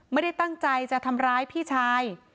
ไม่ได้ตั้งใจจะทำร้ายพี่ชาย